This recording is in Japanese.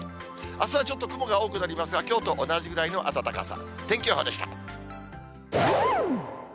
あすはちょっと雲が多くなりますが、きょうと同じぐらいの暖かさ。